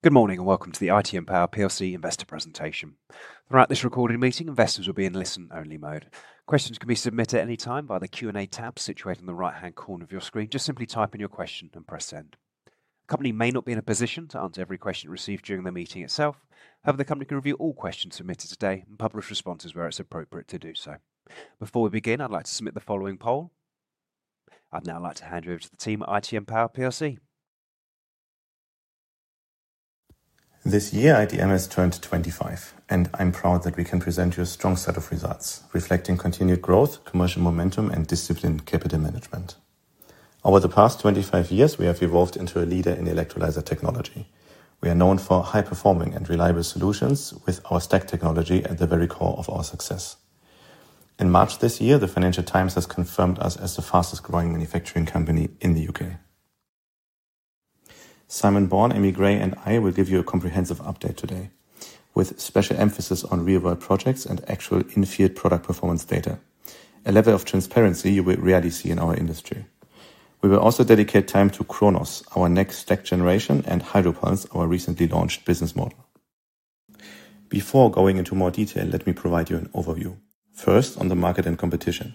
Good morning and welcome to the ITM Power plc Investor Presentation. Throughout this recording meeting, investors will be in listen-only mode. Questions can be submitted at any time via the Q&A tab situated in the right-hand corner of your screen. Just simply type in your question and press send. The company may not be in a position to answer every question it receives during the meeting itself. However, the company can review all questions submitted today and publish responses where it's appropriate to do so. Before we begin, I'd like to submit the following poll. I'd now like to hand you over to the team at ITM Power plc. This year, ITM has turned 25, and I'm proud that we can present you a strong set of results reflecting continued growth, commercial momentum, and disciplined capital management. Over the past 25 years, we have evolved into a leader in electrolyser technology. We are known for high-performing and reliable solutions, with our stack technology at the very core of our success. In March this year, the Financial Times has confirmed us as the fastest-growing manufacturing company in the U.K. Simon Bourne, Amy Grey, and I will give you a comprehensive update today, with special emphasis on real-world projects and actual in-field product performance data, a level of transparency you will rarely see in our industry. We will also dedicate time to Kronos, our next stack generation, and Hydropulse, our recently launched business model. Before going into more detail, let me provide you an overview. First, on the market and competition.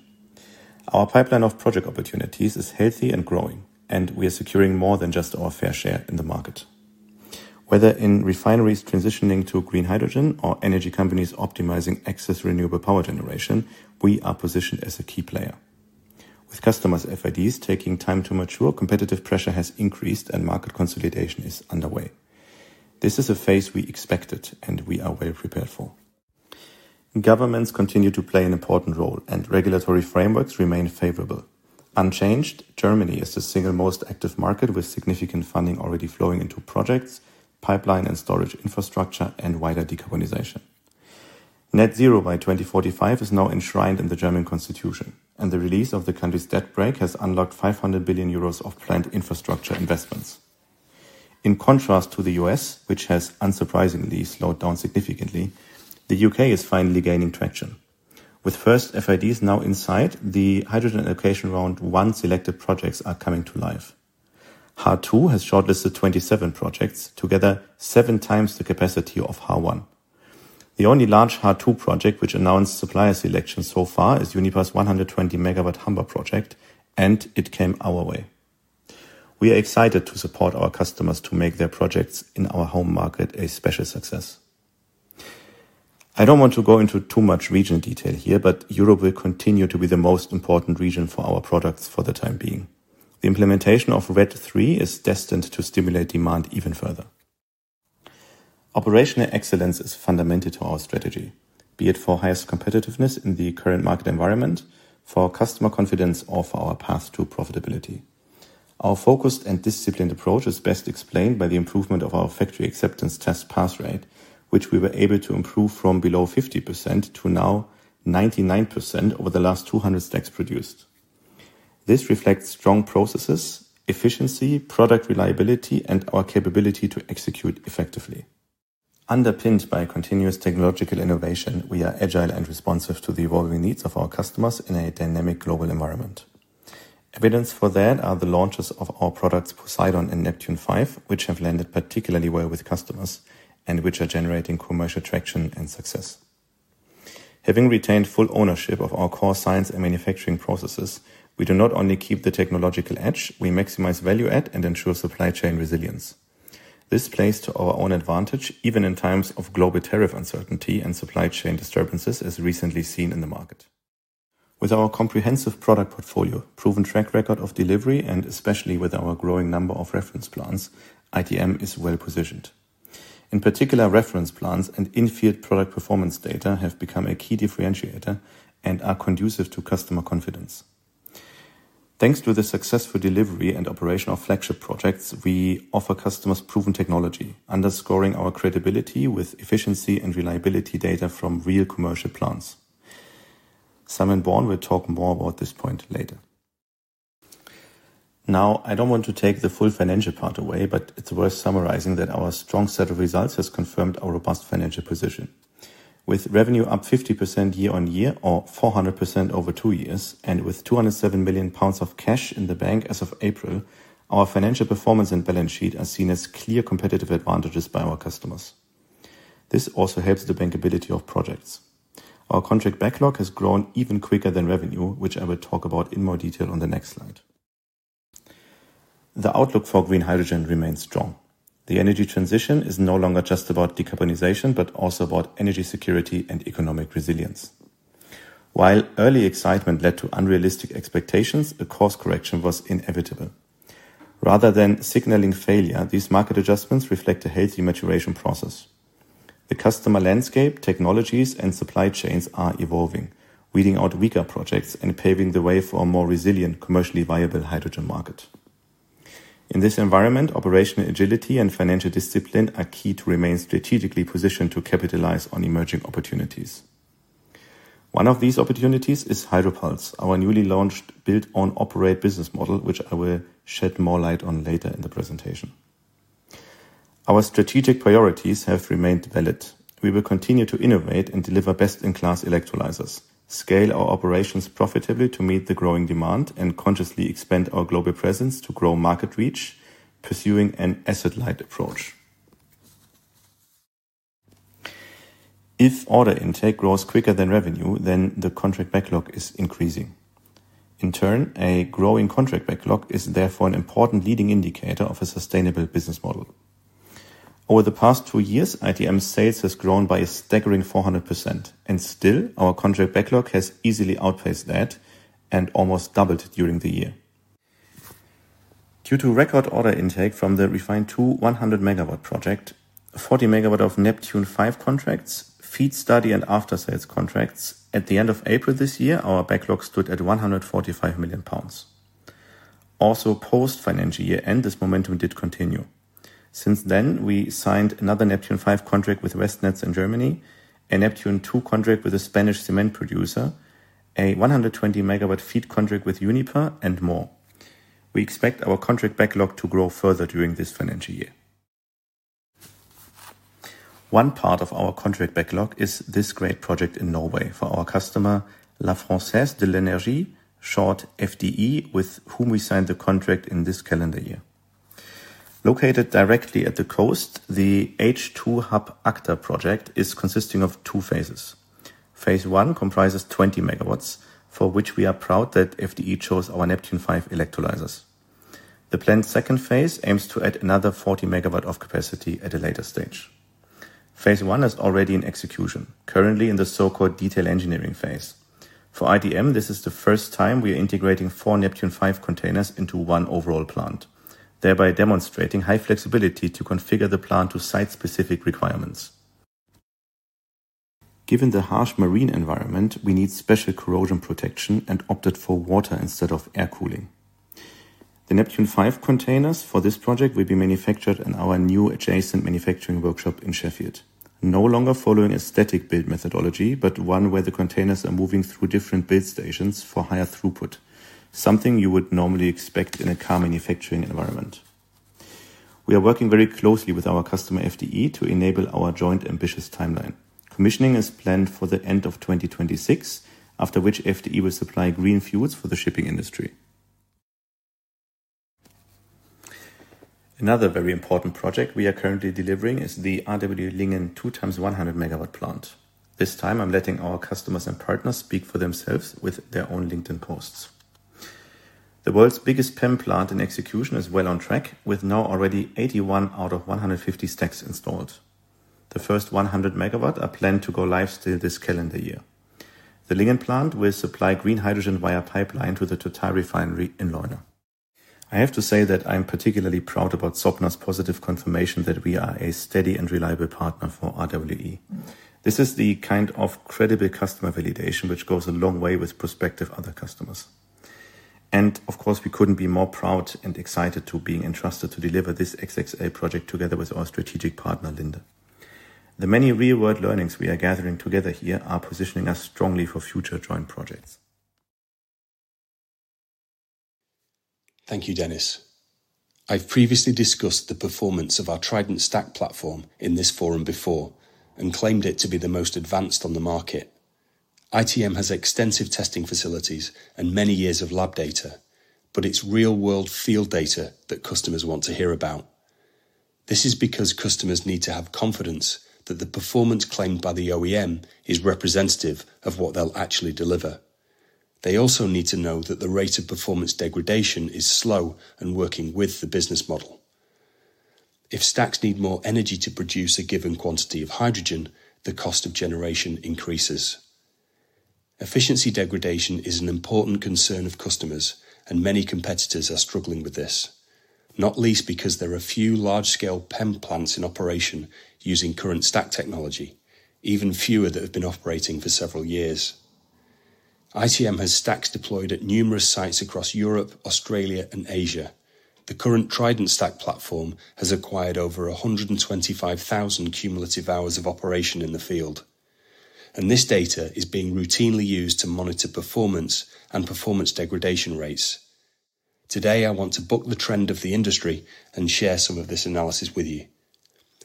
Our pipeline of project opportunities is healthy and growing, and we are securing more than just our fair share in the market. Whether in REFHYNEries transitioning to green hydrogen or energy companies optimizing excess renewable power generation, we are positioned as a key player. With customers' FIDs taking time to mature, competitive pressure has increased and market consolidation is underway. This is a phase we expected, and we are well prepared for. Governments continue to play an important role, and regulatory frameworks remain favorable. Unchanged, Germany is the single most active market, with significant funding already flowing into projects, pipeline and storage infrastructure, and wider decarbonization. Net zero by 2045 is now enshrined in the German Constitution, and the release of the country's debt brake has unlocked 500 billion euros of planned infrastructure investments. In contrast to the U.S., which has unsurprisingly slowed down significantly, the U.K. is finally gaining traction. With first FIDs now in sight, the Hydrogen Allocation Round 1 selected projects are coming to life. HAR 2 has shortlisted 27 projects, together seven times the capacity of HAR 1. The only large HAR 2 project which announced supplier selection so far is Uniper's 120 MW Humburp project, and it came our way. We are excited to support our customers to make their projects in our home market a special success. I don't want to go into too much region detail here, but Europe will continue to be the most important region for our products for the time being. The implementation of RED III is destined to stimulate demand even further. Operational excellence is fundamental to our strategy, be it for highest competitiveness in the current market environment, for customer confidence, or for our path to profitability. Our focused and disciplined approach is best explained by the improvement of our factory acceptance test pass rate, which we were able to improve from below 50% to now 99% over the last 200 stacks produced. This reflects strong processes, efficiency, product reliability, and our capability to execute effectively. Underpinned by continuous technological innovation, we are agile and responsive to the evolving needs of our customers in a dynamic global environment. Evidence for that are the launches of our products Poseidon and Neptune V, which have landed particularly well with customers and which are generating commercial traction and success. Having retained full ownership of our core science and manufacturing processes, we do not only keep the technological edge, we maximize value add and ensure supply chain resilience. This plays to our own advantage even in times of global tariff uncertainty and supply chain disturbances, as recently seen in the market. With our comprehensive product portfolio, proven track record of delivery, and especially with our growing number of reference plants, ITM is well positioned. In particular, reference plants and in-field product performance data have become a key differentiator and are conducive to customer confidence. Thanks to the successful delivery and operation of flagship projects, we offer customers proven technology, underscoring our credibility with efficiency and reliability data from real commercial plants. Simon Bourne will talk more about this point later. Now, I don't want to take the full financial part away, but it's worth summarizing that our strong set of results has confirmed our robust financial position. With revenue up 50% year-on-year or 400% over two years, and with £207 million of cash in the bank as of April, our financial performance and balance sheet are seen as clear competitive advantages by our customers. This also helps the bankability of projects. Our contract backlog has grown even quicker than revenue, which I will talk about in more detail on the next slide. The outlook for green hydrogen remains strong. The energy transition is no longer just about decarbonization, but also about energy security and economic resilience. While early excitement led to unrealistic expectations, a course correction was inevitable. Rather than signaling failure, these market adjustments reflect a healthy maturation process. The customer landscape, technologies, and supply chains are evolving, weeding out weaker projects and paving the way for a more resilient, commercially viable hydrogen market. In this environment, operational agility and financial discipline are key to remain strategically positioned to capitalize on emerging opportunities. One of these opportunities is Hydropulse, our newly launched build-on-operate business model, which I will shed more light on later in the presentation. Our strategic priorities have remained valid. We will continue to innovate and deliver best-in-class electrolyzers, scale our operations profitably to meet the growing demand, and consciously expand our global presence to grow market reach, pursuing an asset-light approach. If order intake grows quicker than revenue, then the contract backlog is increasing. In turn, a growing contract backlog is therefore an important leading indicator of a sustainable business model. Over the past two years, ITM's sales have grown by a staggering 400%, and still, our contract backlog has easily outpaced that and almost doubled during the year. Due to record order intake from the REFHYNE II 100 MW project, 40 MW of Neptune V contracts, feed study, and after-sales contracts, at the end of April this year, our backlog stood at £145 million. Also, post-financial year end, this momentum did continue. Since then, we signed another Neptune V contract with Westnetz in Germany, a Neptune II contract with a Spanish cement producer, a 120 MW feed contract with Uniper, and more. We expect our contract backlog to grow further during this financial year. One part of our contract backlog is this great project in Norway for our customer, La Française de l'Énergie, short FDE, with whom we signed the contract in this calendar year. Located directly at the coast, the H2 Hub ACTA project is consisting of two phases. Phase I comprises 20 MW, for which we are proud that FDE chose our Neptune V electrolyzers. The planned second phase aims to add another 40 MW of capacity at a later stage. Phase I is already in execution, currently in the so-called detail engineering phase. For ITM, this is the first time we are integrating four Neptune V containers into one overall plant, thereby demonstrating high flexibility to configure the plant to site-specific requirements. Given the harsh marine environment, we need special corrosion protection and opted for water instead of air cooling. The Neptune V containers for this project will be manufactured in our new adjacent manufacturing workshop in Sheffield, no longer following a static build methodology, but one where the containers are moving through different build stations for higher throughput, something you would normally expect in a car manufacturing environment. We are working very closely with our customer FDE to enable our joint ambitious timeline. Commissioning is planned for the end of 2026, after which FDE will supply green fuels for the shipping industry. Another very important project we are currently delivering is the RWE Lingen 2x100MW plant. This time, I'm letting our customers and partners speak for themselves with their own LinkedIn posts. The world's biggest PEM plant in execution is well on track, with now already 81 out of 150 stacks installed. The first 100MW are planned to go live still this calendar year. The Lingen plant will supply green hydrogen via a pipeline to the Total REFINEry in Loina. I have to say that I'm particularly proud about Sopna's positive confirmation that we are a steady and reliable partner for RWE. This is the kind of credible customer validation which goes a long way with prospective other customers. Of course, we couldn't be more proud and excited to be entrusted to deliver this XXL project together with our strategic partner, Linde. The many real-world learnings we are gathering together here are positioning us strongly for future joint projects. Thank you, Dennis. I've previously discussed the performance of our TRIDENT stack platform in this forum before and claimed it to be the most advanced on the market. ITM has extensive testing facilities and many years of lab data, but it's real-world field data that customers want to hear about. This is because customers need to have confidence that the performance claimed by the OEM is representative of what they'll actually deliver. They also need to know that the rate of performance degradation is slow and working with the business model. If stacks need more energy to produce a given quantity of hydrogen, the cost of generation increases. Efficiency degradation is an important concern of customers, and many competitors are struggling with this, not least because there are few large-scale PEM plants in operation using current stack technology, even fewer that have been operating for several years. ITM has stacks deployed at numerous sites across Europe, Australia, and Asia. The current TRIDENT stack platform has acquired over 125,000 cumulative hours of operation in the field, and this data is being routinely used to monitor performance and performance degradation rates. Today, I want to buck the trend of the industry and share some of this analysis with you.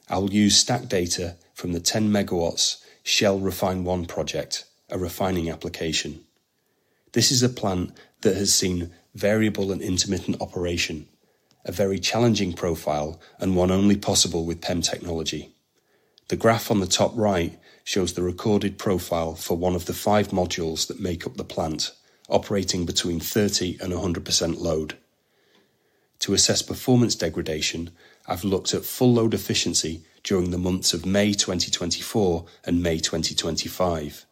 I'll use stack data from the 10 MW Shell REFHYNE I project, a refining application. This is a plant that has seen variable and intermittent operation, a very challenging profile, and one only possible with PEM technology. The graph on the top right shows the recorded profile for one of the five modules that make up the plant, operating between 30% and 100% load. To assess performance degradation, I've looked at full load efficiency during the months of May 2024 and May 2025.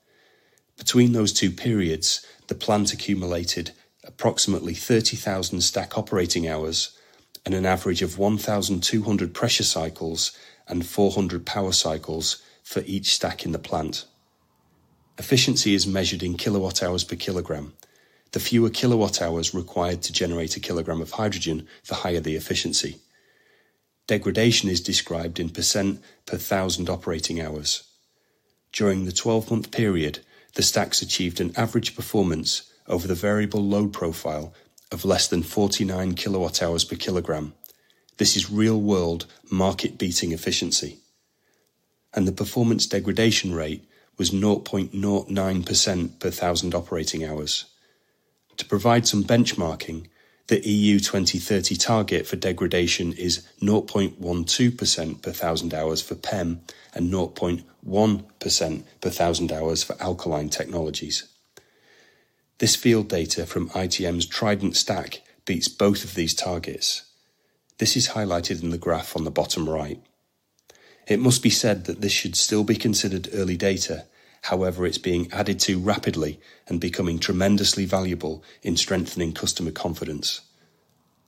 Between those two periods, the plant accumulated approximately 30,000 stack operating hours and an average of 1,200 pressure cycles and 400 power cycles for each stack in the plant. Efficiency is measured in kWh/kg. The fewer kWh required to generate a kilogram of hydrogen, the higher the efficiency. Degradation is described in percent per 1,000 operating hours. During the 12-month period, the stacks achieved an average performance over the variable load profile of less than 49 kWh/kg. This is real-world market-beating efficiency, and the performance degradation rate was 0.09% per 1,000 operating hours. To provide some benchmarking, the EU 2030 target for degradation is 0.12% per 1,000 hours for PEM and 0.1% per 1,000 hours for alkaline technologies. This field data from ITM's TRIDENT stack beats both of these targets. This is highlighted in the graph on the bottom right. It must be said that this should still be considered early data. However, it's being added to rapidly and becoming tremendously valuable in strengthening customer confidence.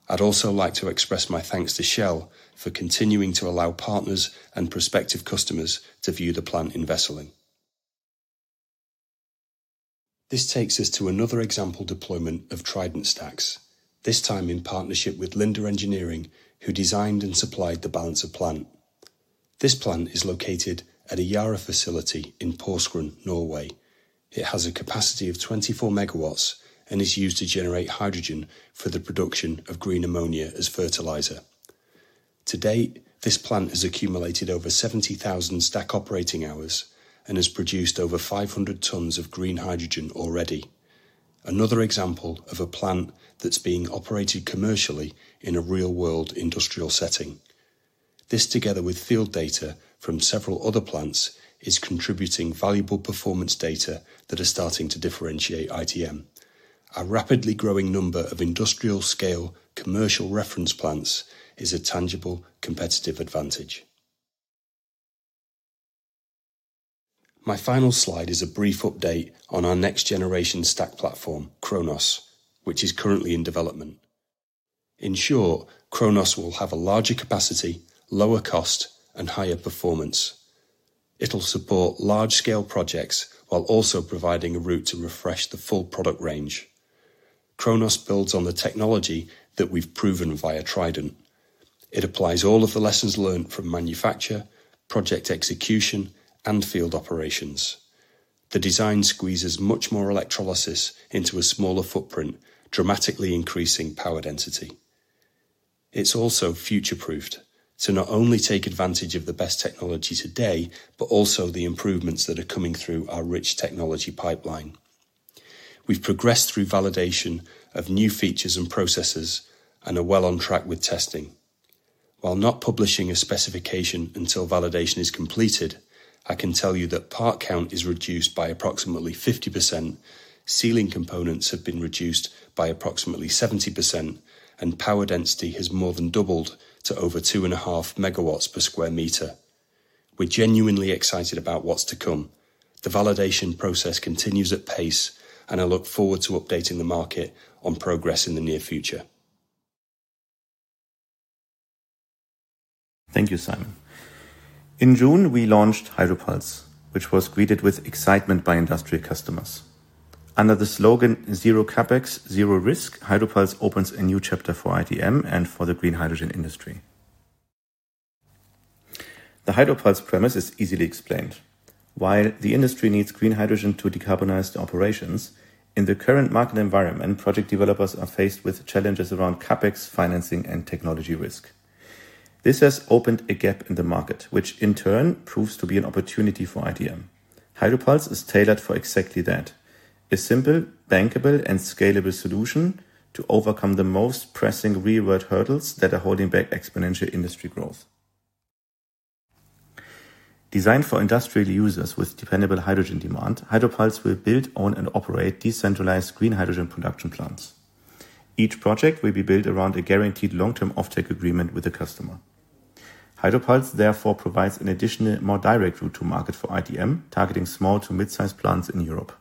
I'd also like to express my thanks to Shell for continuing to allow partners and prospective customers to view the plant in Wesseling. This takes us to another example deployment of TRIDENT stacks, this time in partnership with Linde Engineering, who designed and supplied the balance of plant. This plant is located at a Yara facility in Porsgrunn, Norway. It has a capacity of 24 MW and is used to generate hydrogen for the production of green ammonia as fertilizer. To date, this plant has accumulated over 70,000 stack operating hours and has produced over 500 tons of green hydrogen already. Another example of a plant that's being operated commercially in a real-world industrial setting. This, together with field data from several other plants, is contributing valuable performance data that is starting to differentiate ITM. A rapidly growing number of industrial-scale commercial reference plants is a tangible competitive advantage. My final slide is a brief update on our next-generation stack platform, Kronos, which is currently in development. In short, Kronos will have a larger capacity, lower cost, and higher performance. It'll support large-scale projects while also providing a route to refresh the full product range. Kronos builds on the technology that we've proven via TRIDENT. It applies all of the lessons learned from manufacture, project execution, and field operations. The design squeezes much more electrolysis into a smaller footprint, dramatically increasing power density. It's also future-proofed to not only take advantage of the best technology today, but also the improvements that are coming through our rich technology pipeline. We've progressed through validation of new features and processes and are well on track with testing. While not publishing a specification until validation is completed, I can tell you that part count is reduced by approximately 50%, sealing components have been reduced by approximately 70%, and power density has more than doubled to over 2.5 MW per sq m. We're genuinely excited about what's to come. The validation process continues at pace, and I look forward to updating the market on progress in the near future. Thank you, Simon. In June, we launched Hydropulse, which was greeted with excitement by industrial customers. Under the slogan "Zero CapEx Zero Risk," Hydropulse opens a new chapter for ITM and for the green hydrogen industry. The Hydropulse premise is easily explained. While the industry needs green hydrogen to decarbonize the operations, in the current market environment, project developers are faced with challenges around CapEx, financing, and technology risk. This has opened a gap in the market, which in turn proves to be an opportunity for ITM. Hydropulse is tailored for exactly that: a simple, bankable, and scalable solution to overcome the most pressing real-world hurdles that are holding back exponential industry growth. Designed for industrial users with dependable hydrogen demand, Hydropulse will build, own, and operate decentralized green hydrogen production plants. Each project will be built around a guaranteed long-term offtake agreement with the customer. Hydropulse therefore provides an additional, more direct route to market for ITM, targeting small to mid-sized plants in Europe.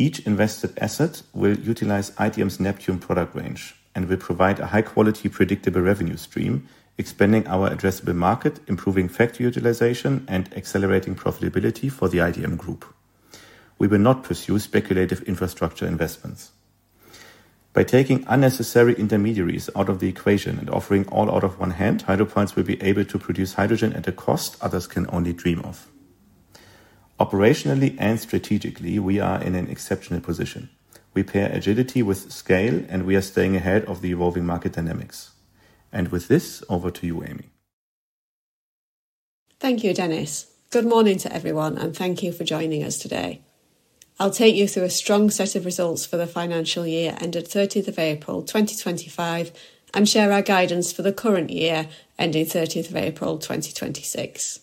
Each invested asset will utilize ITM's Neptune product range and will provide a high-quality, predictable revenue stream, expanding our addressable market, improving factory utilization, and accelerating profitability for the ITM group. We will not pursue speculative infrastructure investments. By taking unnecessary intermediaries out of the equation and offering all out of one hand, Hydropulse will be able to produce hydrogen at a cost others can only dream of. Operationally and strategically, we are in an exceptional position. We pair agility with scale, and we are staying ahead of the evolving market dynamics. With this, over to you, Amy. Thank you, Dennis. Good morning to everyone, and thank you for joining us today. I'll take you through a strong set of results for the financial year ended 30 April 2025 and share our guidance for the current year ending 30 April 2026.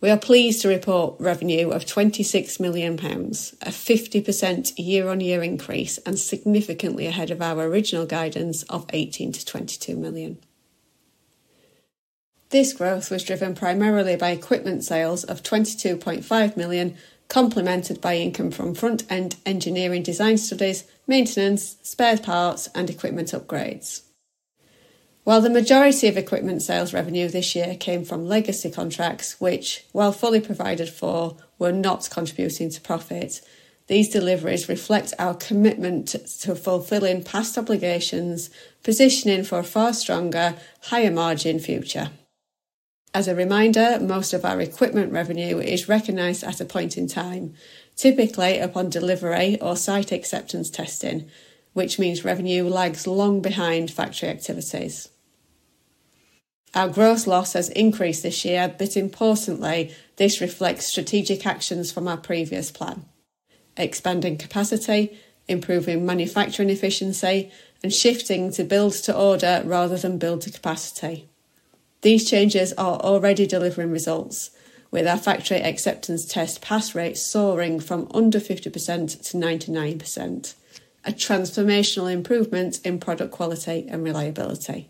We are pleased to report revenue of £26 million, a 50% year-on-year increase, and significantly ahead of our original guidance of £18 million-£22 million. This growth was driven primarily by equipment sales of £22.5 million, complemented by income from front-end engineering design studies, maintenance, spare parts, and equipment upgrades. While the majority of equipment sales revenue this year came from legacy contracts, which, while fully provided for, were not contributing to profits, these deliveries reflect our commitment to fulfilling past obligations, positioning for a far stronger, higher margin future. As a reminder, most of our equipment revenue is recognized at a point in time, typically upon delivery or site acceptance testing, which means revenue lags long behind factory activities. Our gross loss has increased this year, but importantly, this reflects strategic actions from our previous plan: expanding capacity, improving manufacturing efficiency, and shifting to build to order rather than build to capacity. These changes are already delivering results, with our factory acceptance test pass rates soaring from under 50%-99%, a transformational improvement in product quality and reliability.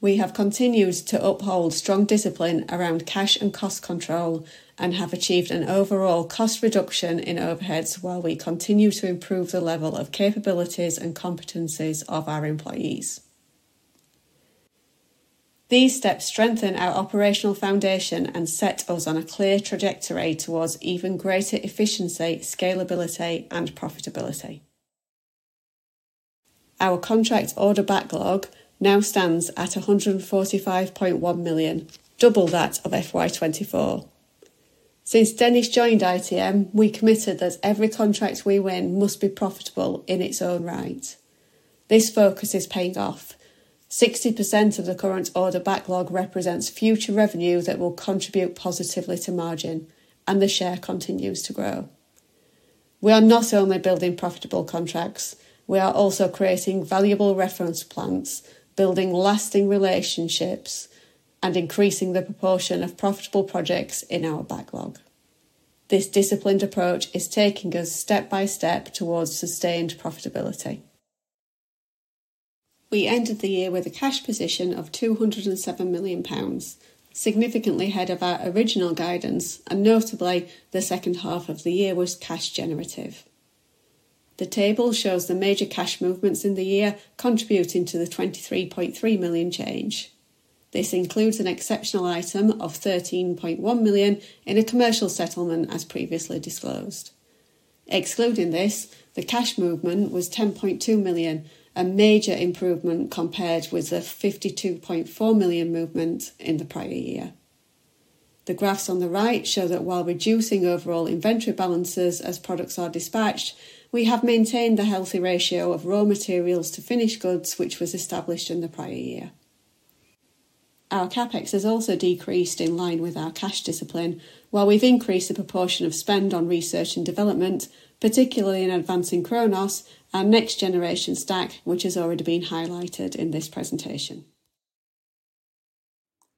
We have continued to uphold strong discipline around cash and cost control and have achieved an overall cost reduction in overheads while we continue to improve the level of capabilities and competencies of our employees. These steps strengthen our operational foundation and set us on a clear trajectory towards even greater efficiency, scalability, and profitability. Our contract order backlog now stands at £145.1 million, double that of FY 2024. Since Dennis joined ITM Power, we committed that every contract we win must be profitable in its own right. This focus is paying off. 60% of the current order backlog represents future revenue that will contribute positively to margin, and the share continues to grow. We are not only building profitable contracts; we are also creating valuable reference plants, building lasting relationships, and increasing the proportion of profitable projects in our backlog. This disciplined approach is taking us step by step towards sustained profitability. We ended the year with a cash position of £207 million, significantly ahead of our original guidance, and notably, the second half of the year was cash generative. The table shows the major cash movements in the year contributing to the £23.3 million change. This includes an exceptional item of £13.1 million in a commercial settlement as previously disclosed. Excluding this, the cash movement was £10.2 million, a major improvement compared with the £52.4 million movement in the prior year. The graphs on the right show that while reducing overall inventory balances as products are dispatched, we have maintained a healthy ratio of raw materials to finished goods, which was established in the prior year. Our CapEx has also decreased in line with our cash discipline, while we've increased the proportion of spend on research and development, particularly in advancing Kronos, our next-generation stack, which has already been highlighted in this presentation.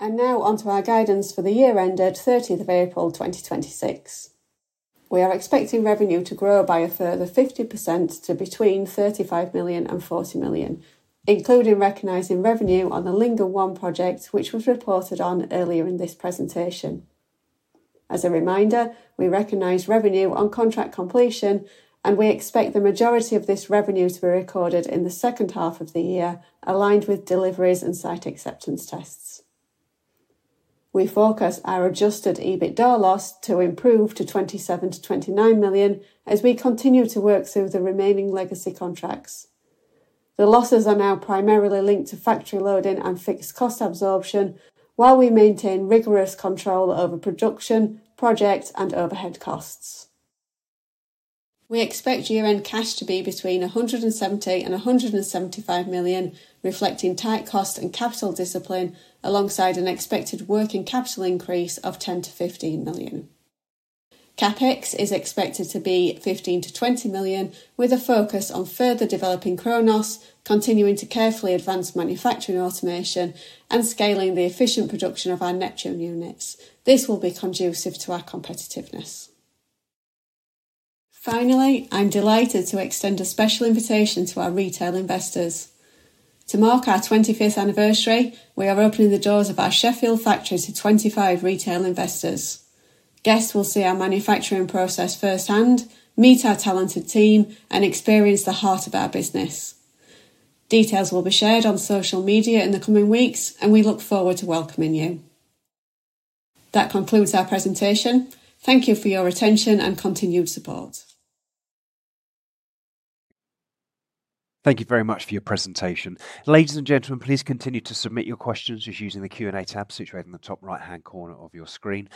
Now onto our guidance for the year ended April 30, 2026. We are expecting revenue to grow by a further 50% to between £35 million and £40 million, including recognizing revenue on the Lingen One project, which was reported on earlier in this presentation. As a reminder, we recognize revenue on contract completion, and we expect the majority of this revenue to be recorded in the second half of the year, aligned with deliveries and site acceptance tests. We focus our adjusted EBITDA loss to improve to £27 million-£29 million as we continue to work through the remaining legacy contracts. The losses are now primarily linked to factory loading and fixed cost absorption, while we maintain rigorous control over production, project, and overhead costs. We expect year-end cash to be between £170 million and £175 million, reflecting tight costs and capital discipline, alongside an expected working capital increase of £10 million-£15 million. CapEx is expected to be £15 million-£20 million, with a focus on further developing Kronos, continuing to carefully advance manufacturing automation, and scaling the efficient production of our Neptune units. This will be conducive to our competitiveness. Finally, I'm delighted to extend a special invitation to our retail investors. To mark our 25th anniversary, we are opening the doors of our Sheffield factory to 25 retail investors. Guests will see our manufacturing process firsthand, meet our talented team, and experience the heart of our business. Details will be shared on social media in the coming weeks, and we look forward to welcoming you. That concludes our presentation. Thank you for your attention and continued support. Thank you very much for your presentation. Ladies and gentlemen, please continue to submit your questions using the Q&A tab situated in the top right-hand corner of your screen.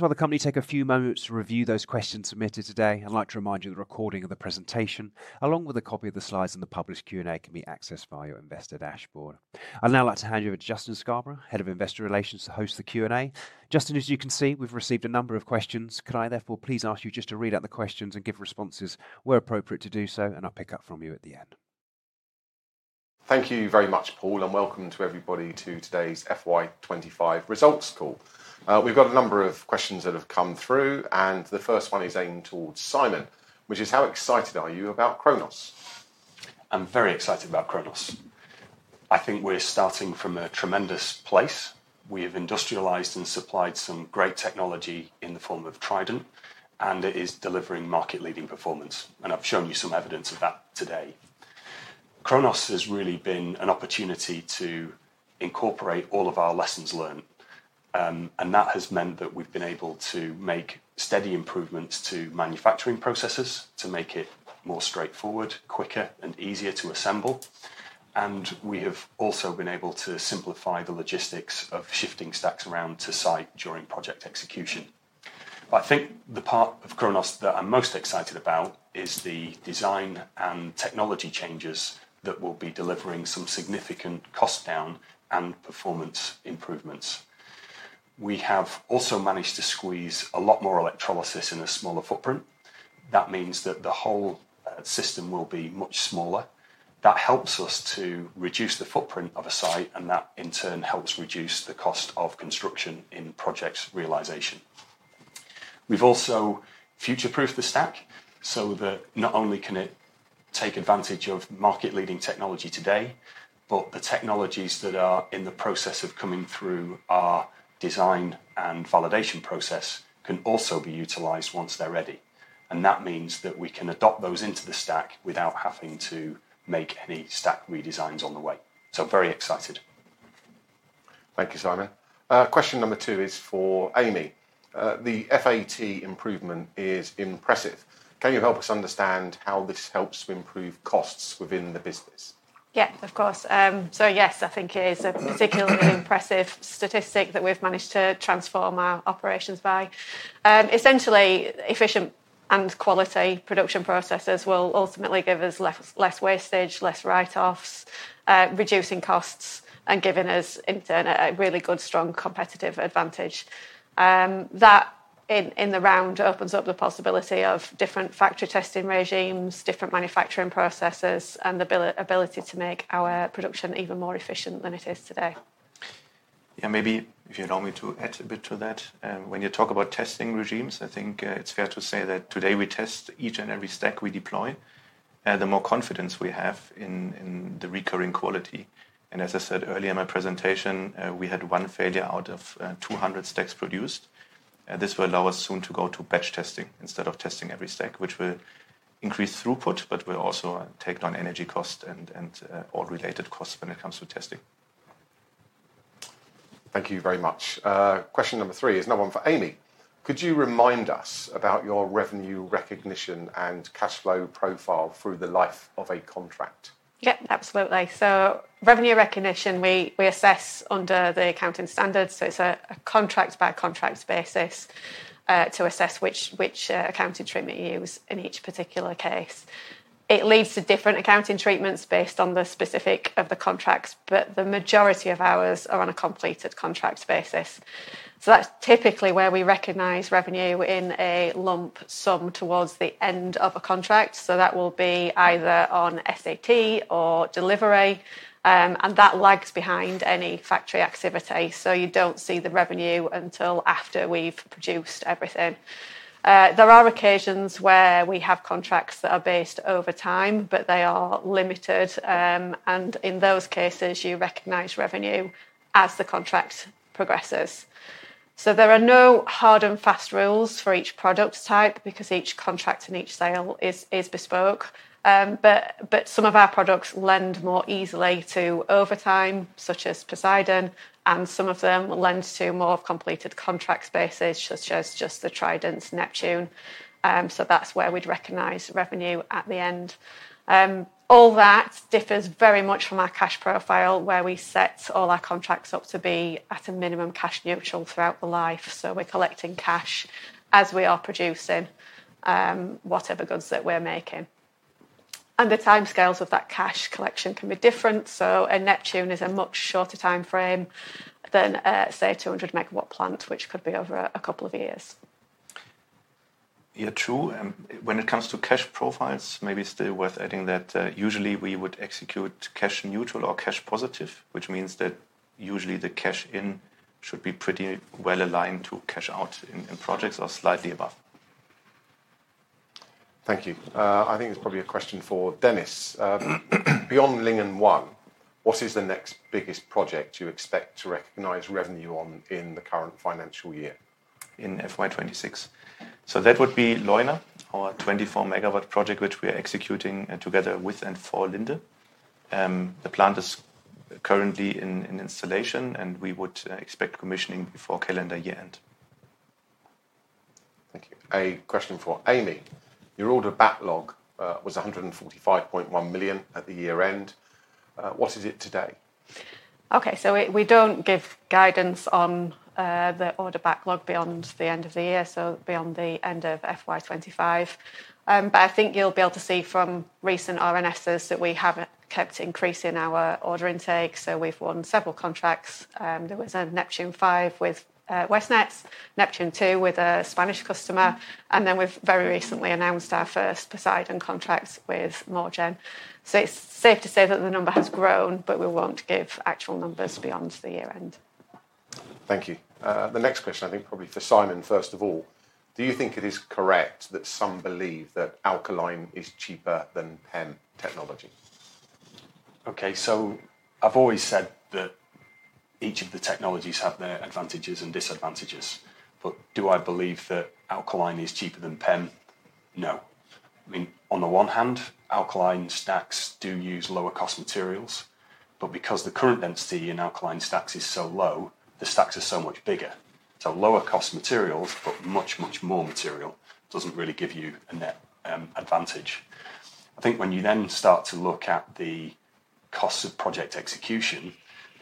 While the company takes a few moments to review those questions submitted today, I'd like to remind you the recording of the presentation, along with a copy of the slides and the published Q&A, can be accessed via your investor dashboard. I'd now like to hand you over to Justin Scarborough, Head of Investor Relations, to host the Q&A. Justin, as you can see, we've received a number of questions. Can I therefore please ask you to read out the questions and give responses where appropriate to do so, and I'll pick up from you at the end. Thank you very much, Paul, and welcome to everybody to today's FY 2025 results call. We've got a number of questions that have come through, and the first one is aimed towards Simon, which is how excited are you about Kronos? I'm very excited about Kronos. I think we're starting from a tremendous place. We have industrialized and supplied some great technology in the form of TRIDENT, and it is delivering market-leading performance, and I've shown you some evidence of that today. Kronos has really been an opportunity to incorporate all of our lessons learned, and that has meant that we've been able to make steady improvements to manufacturing processes to make it more straightforward, quicker, and easier to assemble. We have also been able to simplify the logistics of shifting stacks around to site during project execution. I think the part of Kronos that I'm most excited about is the design and technology changes that will be delivering some significant cost down and performance improvements. We have also managed to squeeze a lot more electrolysis in a smaller footprint. That means that the whole system will be much smaller. That helps us to reduce the footprint of a site, and that in turn helps reduce the cost of construction in project realization. We've also future-proofed the stack so that not only can it take advantage of market-leading technology today, but the technologies that are in the process of coming through our design and validation process can also be utilized once they're ready, and that means that we can adopt those into the stack without having to make any stack redesigns on the way. I'm very excited. Thank you, Simon. Question number two is for Amy. The FAT improvement is impressive. Can you help us understand how this helps to improve costs within the business? Of course. Yes, I think it's a particularly impressive statistic that we've managed to transform our operations by. Essentially, efficient and quality production processes will ultimately give us less wastage, less write-offs, reducing costs, and giving us, in turn, a really good, strong competitive advantage. That, in the round, opens up the possibility of different factory testing regimes, different manufacturing processes, and the ability to make our production even more efficient than it is today. Maybe if you allow me to add a bit to that. When you talk about testing regimes, I think it's fair to say that today we test each and every stack we deploy. The more confidence we have in the recurring quality, and as I said earlier in my presentation, we had one failure out of 200 stacks produced. This will allow us soon to go to batch testing instead of testing every stack, which will increase throughput, but will also take down energy costs and all related costs when it comes to testing. Thank you very much. Question number three is another one for Amy. Could you remind us about your revenue recognition and cash flow profile through the life of a contract? Yeah, absolutely. Revenue recognition we assess under the accounting standards. It's a contract-by-contract basis to assess which accounting treatment you use in each particular case. It leads to different accounting treatments based on the specifics of the contracts, but the majority of ours are on a completed contract basis. That's typically where we recognize revenue in a lump sum towards the end of a contract. That will be either on SAT or delivery, and that lags behind any factory activity. You don't see the revenue until after we've produced everything. There are occasions where we have contracts that are based over time, but they are limited, and in those cases, you recognize revenue as the contract progresses. There are no hard and fast rules for each product type because each contract and each sale is bespoke, but some of our products lend more easily to over time, such as Poseidon, and some of them lend to more of a completed contract basis, such as just the TRIDENT's Neptune. That's where we'd recognize revenue at the end. All that differs very much from our cash profile, where we set all our contracts up to be at a minimum cash neutral throughout the life. We're collecting cash as we are producing whatever goods that we're making. The timescales of that cash collection can be different. A Neptune is a much shorter timeframe than, say, 200 MW plants, which could be over a couple of years. True. When it comes to cash profiles, maybe it's still worth adding that usually we would execute cash neutral or cash positive, which means that usually the cash in should be pretty well aligned to cash out in projects or slightly above. Thank you. I think it's probably a question for Dennis. Beyond Lingen One, what is the next biggest project you expect to recognize revenue on in the current financial year? In FY 2026? That would be Porsgrunn, our 24 MW project, which we are executing together with and for Linde. The plant is currently in installation, and we would expect commissioning before calendar year end. Thank you. A question for Amy. Your order backlog was £145.1 million at the year end. What is it today? Okay, we don't give guidance on the order backlog beyond the end of the year, so beyond the end of FY 2025. I think you'll be able to see from recent R&Ss that we have kept increasing our order intake. We've won several contracts. There was a Neptune V with Westnetz, Neptune II with a Spanish customer, and we've very recently announced our first Poseidon contracts with Morgen. It's safe to say that the number has grown, but we won't give actual numbers beyond the year end. Thank you. The next question, I think, probably for Simon first of all. Do you think it is correct that some believe that alkaline is cheaper than PEM technology? Okay, so I've always said that each of the technologies have their advantages and disadvantages, but do I believe that alkaline is cheaper than PEM? No. I mean, on the one hand, alkaline stacks do use lower cost materials, but because the current density in alkaline stacks is so low, the stacks are so much bigger. Lower cost materials, but much, much more material doesn't really give you a net advantage. I think when you then start to look at the costs of project execution,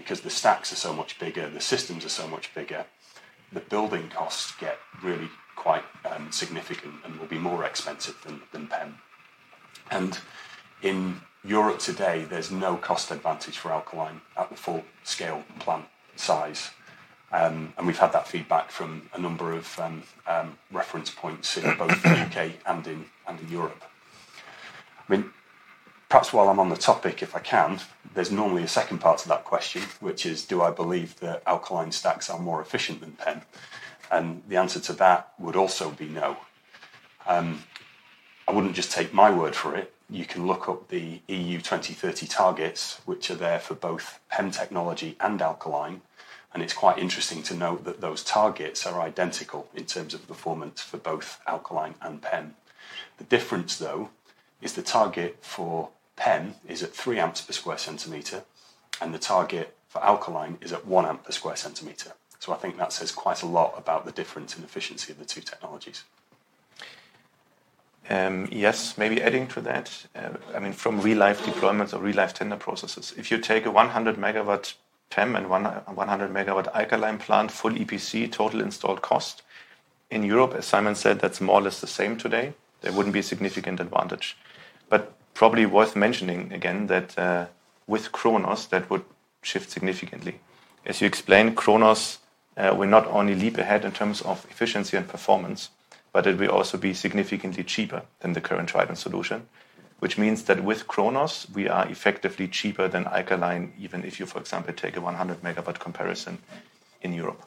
because the stacks are so much bigger, the systems are so much bigger, the building costs get really quite significant and will be more expensive than PEM. In Europe today, there's no cost advantage for alkaline at the full scale plant size. We've had that feedback from a number of reference points both in the U.K. and in Europe. Perhaps while I'm on the topic, if I can, there's normally a second part of that question, which is, do I believe that alkaline stacks are more efficient than PEM? The answer to that would also be no. I wouldn't just take my word for it. You can look up the EU 2030 targets, which are there for both PEM technology and alkaline. It's quite interesting to know that those targets are identical in terms of performance for both alkaline and PEM. The difference, though, is the target for PEM is at 3 A per sq cm, and the target for alkaline is at 1 A per sq cm. I think that says quite a lot about the difference in efficiency of the two technologies. Yes, maybe adding to that. I mean, from real-life deployments or real-life tender processes, if you take a 100 MW PEM and a 100 MW alkaline plant, full EPC, total installed cost, in Europe, as Simon said, that's more or less the same today. There wouldn't be a significant advantage. Probably worth mentioning again that with Kronos, that would shift significantly. As you explained, Kronos, we're not only leaping ahead in terms of efficiency and performance, but it will also be significantly cheaper than the current TRIDENT solution, which means that with Kronos, we are effectively cheaper than alkaline, even if you, for example, take a 100 MW comparison in Europe.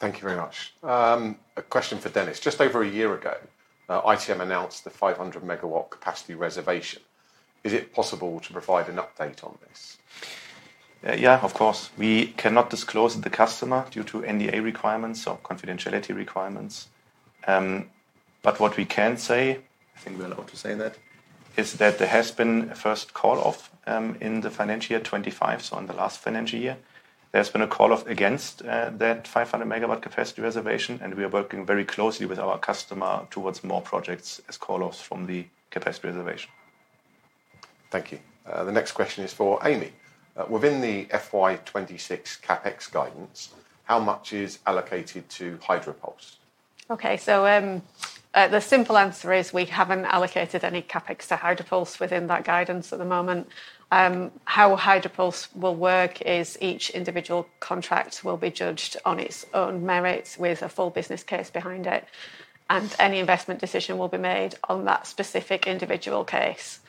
Thank you very much. A question for Dennis. Just over a year ago, ITM announced the 500 MW capacity reservation. Is it possible to provide an update on this? Yeah, of course. We cannot disclose it to the customer due to NDA requirements or confidentiality requirements. What we can say, I think we're allowed to say that, is that there has been a first call-off in the financial year 2025. In the last financial year, there's been a call-off against that 500 MW capacity reservation, and we are working very closely with our customer towards more projects as call-offs from the capacity reservation. Thank you. The next question is for Amy. Within the FY 2026 CapEx guidance, how much is allocated to Hydropulse? Okay, so the simple answer is we haven't allocated any CapEx to Hydropulse within that guidance at the moment. How Hydropulse will work is each individual contract will be judged on its own merits with a full business case behind it, and any investment decision will be made on that specific individual case.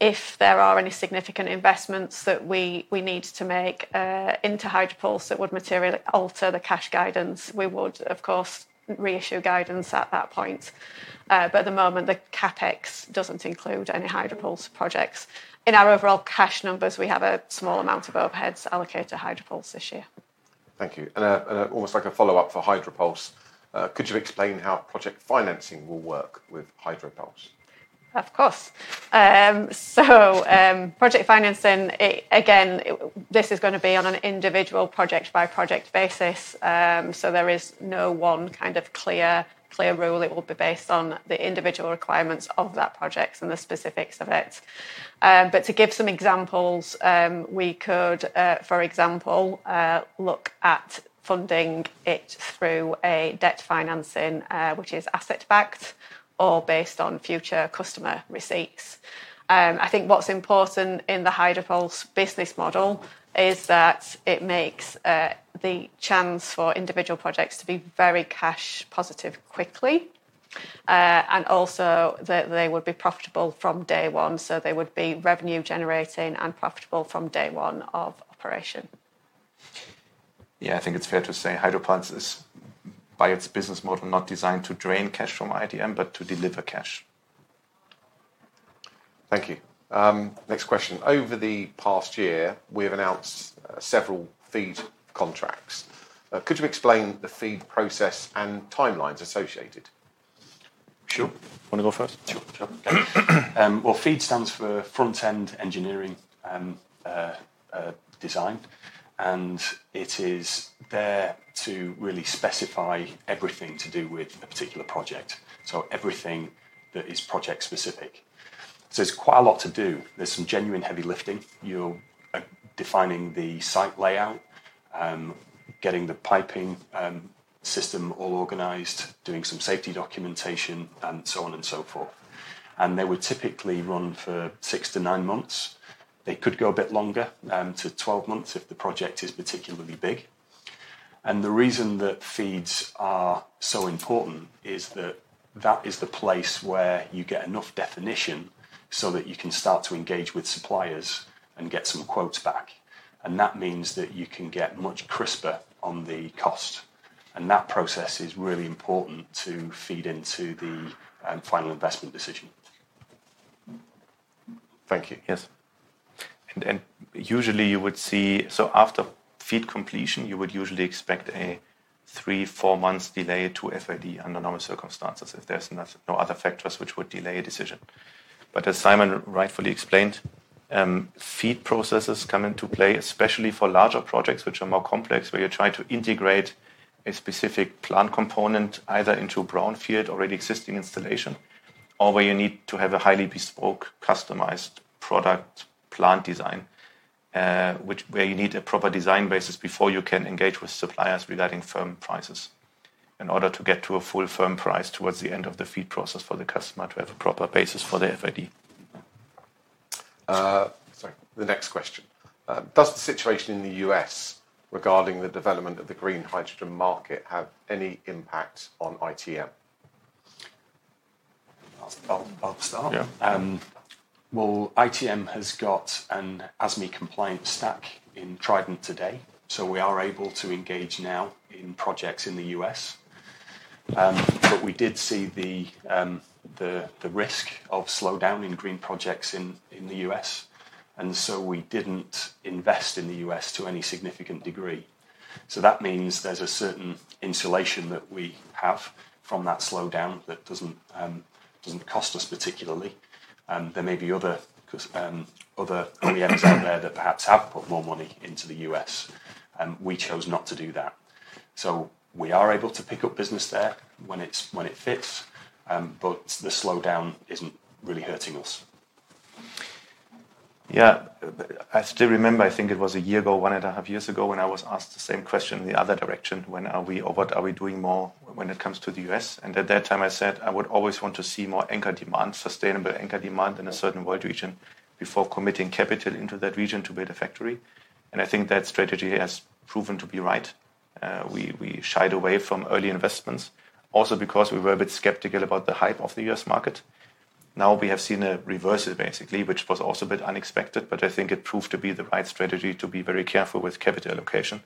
If there are any significant investments that we need to make into Hydropulse that would materially alter the cash guidance, we would, of course, reissue guidance at that point. At the moment, the CapEx doesn't include any Hydropulse projects. In our overall cash numbers, we have a small amount of overheads allocated to Hydropulse this year. Thank you. Almost like a follow-up for Hydropulse, could you explain how project financing will work with Hydropulse? Of course. Project financing, again, is going to be on an individual project-by-project basis. There is no one kind of clear rule. It will be based on the individual requirements of that project and the specifics of it. To give some examples, we could, for example, look at funding it through debt financing, which is asset-backed or based on future customer receipts. I think what's important in the Hydropulse business model is that it makes the chance for individual projects to be very cash positive quickly, and also that they would be profitable from day one. They would be revenue generating and profitable from day one of operation. Yeah, I think it's fair to say Hydropulse is, by its business model, not designed to drain cash from ITM, but to deliver cash. Thank you. Next question. Over the past year, we have announced several FEED contracts. Could you explain the FEED process and timelines associated? Sure. Want to go first? Sure. FEED stands for Front-End Engineering Design, and it is there to really specify everything to do with a particular project. Everything that is project specific. There's quite a lot to do. There's some genuine heavy lifting. You're defining the site layout, getting the piping system all organized, doing some safety documentation, and so on and so forth. They would typically run for six to nine months. They could go a bit longer, nine to 12 months if the project is particularly big. The reason that feeds are so important is that that is the place where you get enough definition so that you can start to engage with suppliers and get some quotes back. That means that you can get much crisper on the cost. That process is really important to feed into the final investment decision. Thank you. Yes. Usually, you would see, after FEED completion, you would expect a three to four month delay to FAD under normal circumstances if there's no other factors which would delay a decision. As Simon rightfully explained, FEED processes come into play, especially for larger projects which are more complex, where you try to integrate a specific plant component either into a brownfield already existing installation, or where you need to have a highly bespoke customized product plant design, where you need a proper design basis before you can engage with suppliers regarding firm prices in order to get to a full firm price towards the end of the FEED process for the customer to have a proper basis for the FAD. Does the situation in the U.S. regarding the development of the green hydrogen market have any impact on ITM? I'll start. ITM has got an ASME compliant stack in TRIDENT today, so we are able to engage now in projects in the U.S. We did see the risk of slowdown in green projects in the U.S., and we didn't invest in the U.S. to any significant degree. That means there's a certain insulation that we have from that slowdown that doesn't cost us particularly. There may be other OEMs out there that perhaps have put more money into the U.S. We chose not to do that. We are able to pick up business there when it fits, but the slowdown isn't really hurting us. Yeah, I still remember, I think it was a year ago, one and a half years ago, when I was asked the same question in the other direction. When are we over? Are we doing more when it comes to the U.S.? At that time, I said I would always want to see more anchor demand, sustainable anchor demand in a certain world region before committing capital into that region to build a factory. I think that strategy has proven to be right. We shied away from early investments, also because we were a bit skeptical about the hype of the U.S. market. Now we have seen a reversal, basically, which was also a bit unexpected. I think it proved to be the right strategy to be very careful with capital allocation,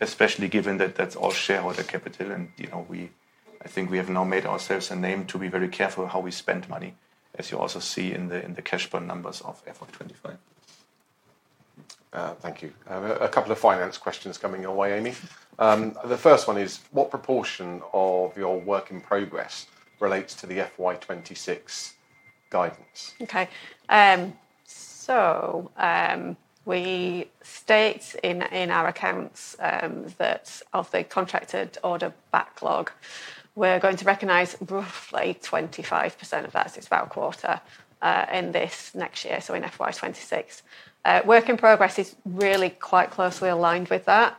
especially given that that's all shareholder capital. I think we have now made ourselves a name to be very careful how we spend money, as you also see in the cash burn numbers of FY 2025. Thank you. A couple of finance questions coming your way, Amy. The first one is, what proportion of your work in progress relates to the FY 2026 guidance? Okay, so we state in our accounts that of the contracted order backlog, we're going to recognize roughly 25% of that, as it's about a quarter, in this next year, in FY 2026. Work in progress is really quite closely aligned with that.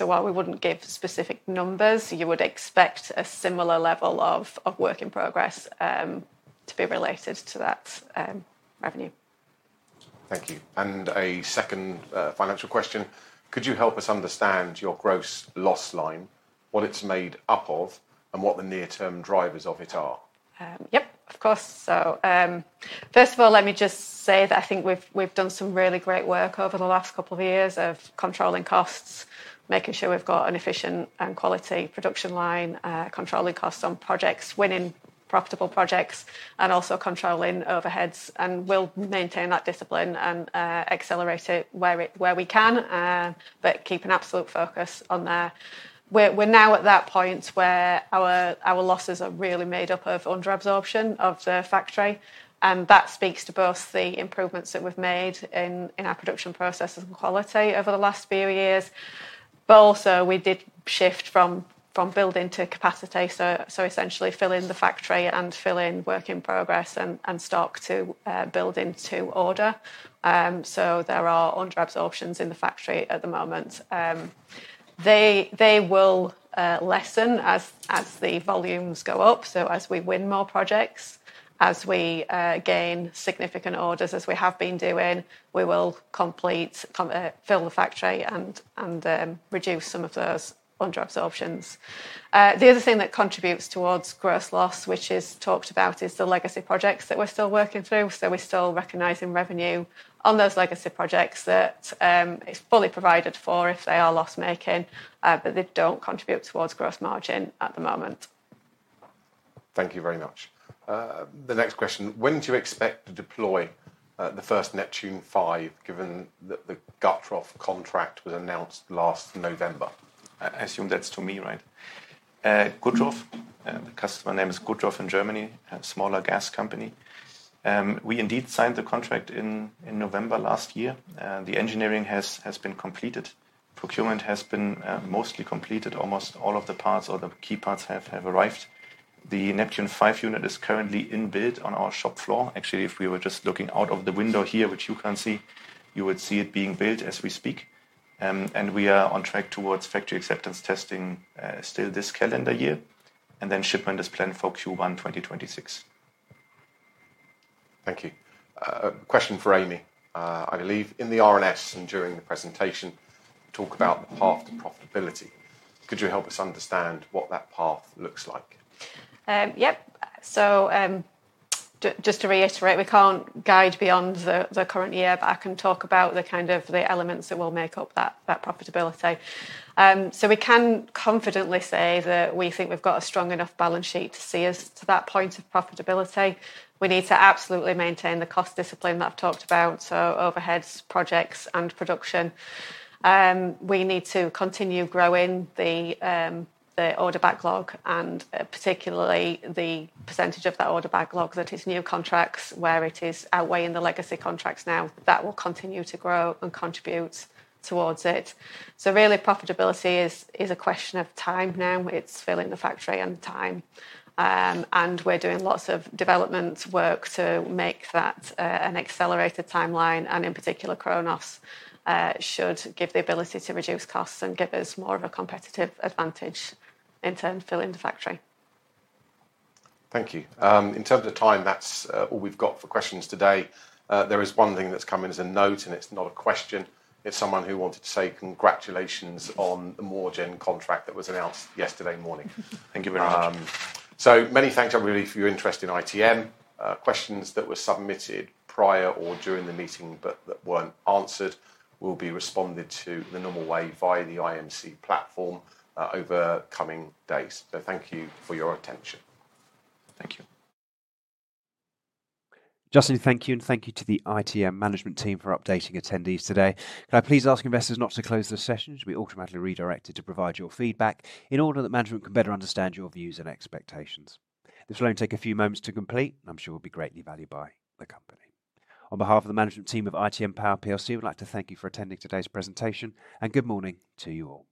While we wouldn't give specific numbers, you would expect a similar level of work in progress to be related to that revenue. Thank you. A second financial question. Could you help us understand your gross loss line, what it's made up of, and what the near-term drivers of it are? Of course. First of all, let me just say that I think we've done some really great work over the last couple of years controlling costs, making sure we've got an efficient and quality production line, controlling costs on projects, winning profitable projects, and also controlling overheads. We'll maintain that discipline and accelerate it where we can, but keep an absolute focus on that. We're now at that point where our losses are really made up of under-absorption of the factory, and that speaks to both the improvements that we've made in our production processes and quality over the last few years, but also we did shift from building to capacity, essentially filling the factory and filling work in progress and stock to build into order. There are under-absorptions in the factory at the moment. They will lessen as the volumes go up. As we win more projects, as we gain significant orders, as we have been doing, we will completely fill the factory and reduce some of those under-absorptions. The other thing that contributes towards gross loss, which is talked about, is the legacy projects that we're still working through. We're still recognizing revenue on those legacy projects that are fully provided for if they are loss-making, but they don't contribute towards gross margin at the moment. Thank you very much. The next question. When do you expect to deploy the first Neptune V, given that the Gartroff contract was announced last November? I assume that's to me, right? The customer name is Gutroff in Germany, a smaller gas company. We indeed signed the contract in November last year. The engineering has been completed. Procurement has been mostly completed. Almost all of the parts, all the key parts have arrived. The Neptune V unit is currently in build on our shop floor. Actually, if we were just looking out of the window here, which you can't see, you would see it being built as we speak. We are on track towards factory acceptance testing still this calendar year, and shipment is planned for Q1 2026. Thank you. Question for Amy. I believe in the R&S and during the presentation, you talk about the path to profitability. Could you help us understand what that path looks like? Yep. Just to reiterate, we can't guide beyond the current year, but I can talk about the kind of the elements that will make up that profitability. We can confidently say that we think we've got a strong enough balance sheet to see us to that point of profitability. We need to absolutely maintain the cost discipline that I've talked about: overheads, projects, and production. We need to continue growing the order backlog, and particularly the percentage of that order backlog that is new contracts where it is outweighing the legacy contracts now. That will continue to grow and contribute towards it. Profitability is a question of time now. It's filling the factory and time. We're doing lots of development work to make that an accelerated timeline, and in particular, Kronos should give the ability to reduce costs and give us more of a competitive advantage in terms of filling the factory. Thank you. In terms of time, that's all we've got for questions today. There is one thing that's come in as a note, and it's not a question. It's someone who wanted to say congratulations on the Morgen contract that was announced yesterday morning. Thank you very much. Many thanks everybody for your interest in ITM. Questions that were submitted prior or during the meeting but that weren't answered will be responded to the normal way via the IMC platform over coming days. Thank you for your attention. Thank you. Justin, thank you and thank you to the ITM management team for updating attendees today. Can I please ask investors not to close the session? You should be automatically redirected to provide your feedback in order that management could better understand your views and expectations. This will only take a few moments to complete, and I'm sure it will be greatly valued by the company. On behalf of the management team of ITM Power plc, I'd like to thank you for attending today's presentation, and good morning to you all.